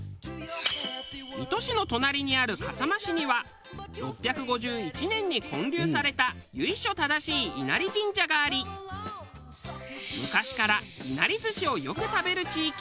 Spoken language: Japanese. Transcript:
水戸市の隣にある笠間市には６５１年に建立された由緒正しい稲荷神社があり昔から稲荷寿司をよく食べる地域。